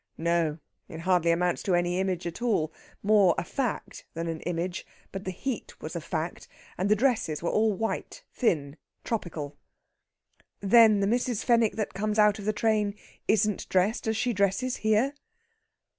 "No. It hardly amounts to an image at all more a fact than an image. But the heat was a fact. And the dresses were all white thin tropical...." "Then the Mrs. Fenwick that comes out of the train isn't dressed as she dresses here?"